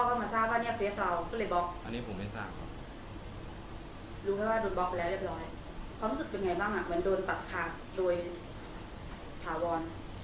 รู้ไหมว่าโดนบล็อกไปแล้วเรียบร้อยเขารู้สึกเป็นไงบ้างเหมือนโดนตัดขาดโดยถาวร